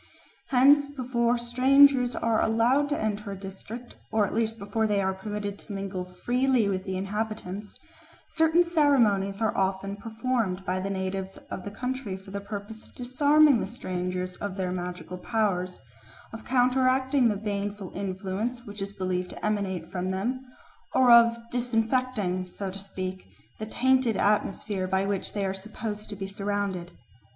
Hence before strangers are allowed to enter a district, or at least before they are permitted to mingle freely with the inhabitants, certain ceremonies are often performed by the natives of the country for the purpose of disarming the strangers of their magical powers, of counteracting the baneful influence which is believed to emanate from them, or of disinfecting, so to speak, the tainted atmosphere by which they are supposed to be surrounded.